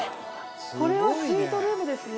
これはスイートルームですね。